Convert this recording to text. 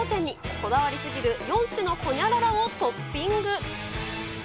こだわり過ぎる４種のホニャララをトッピング。